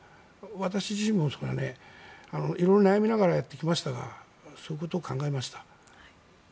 私自身もいろいろ悩みながらやってきましたがそういうことを考えました。